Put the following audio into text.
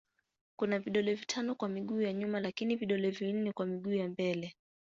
Kuna vidole vitano kwa miguu ya nyuma lakini vidole vinne kwa miguu ya mbele.